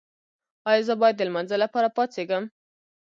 ایا زه باید د لمانځه لپاره پاڅیږم؟